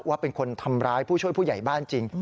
ว่าเป็นคนทำร้ายผู้ช่วยผู้ใหญ่บ้านจริง